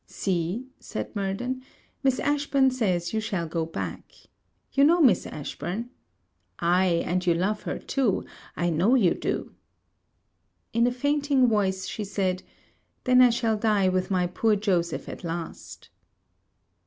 'See,' said Murden, 'Miss Ashburn says, you shall go back. You know Miss Ashburn? Ay, and you love her too. I know you do.' In a fainting voice, she said, 'Then I shall die with my poor Joseph at last.'